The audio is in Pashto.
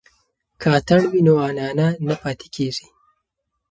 که اتڼ وي نو عنعنه نه پاتې کیږي.